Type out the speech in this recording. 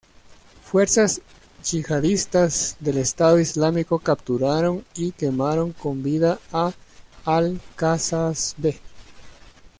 Fuerzas yihadistas del Estado Islámico capturaron y quemaron con vida a Al-Kasasbeh.